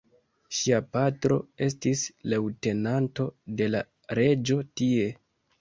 Ŝia patro estis leŭtenanto de la reĝo tie.